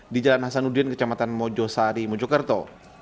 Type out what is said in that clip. di jalan hasanuddin kecamatan mojosari mojokerto